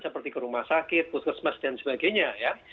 seperti ke rumah sakit putus masjid dan sebagainya